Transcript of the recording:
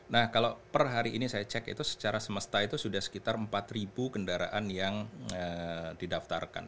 nah kalau per hari ini saya cek itu secara semesta itu sudah sekitar empat kendaraan yang didaftarkan